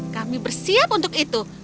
kami bersiap untuk itu